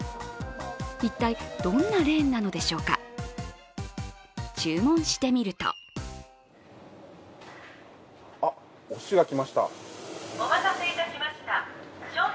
一体、どんなレーンなのでしょうか注文してみるとおすしが来ました。